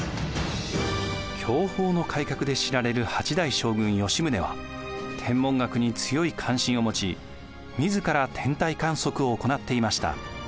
享保の改革で知られる８代将軍吉宗は天文学に強い関心を持ちみずから天体観測を行っていました。